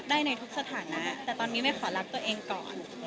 ได้ในทุกสถานะแต่ตอนนี้ไม่ขอรักตัวเองก่อน